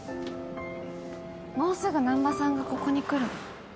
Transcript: もうすぐ難破さんがここに来るの。